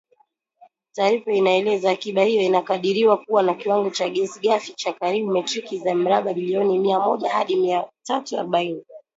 Taarifa inaeleza, akiba hiyo inakadiriwa kuwa na kiwango cha gesi ghafi cha karibu metriki za mraba bilioni mia moja hadi mia tatu arobaini